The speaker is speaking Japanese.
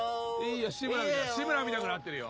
志村みたくなってるよ。